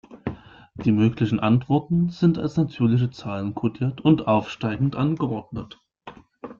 Die möglichen Antworten sind als natürliche Zahlen kodiert und aufsteigend angeordnet.